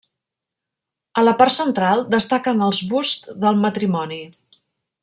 A la part central destaquen els busts del matrimoni.